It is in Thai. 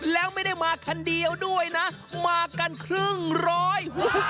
แล้วไม่ได้มาคันเดียวด้วยนะมากันครึ่งร้อย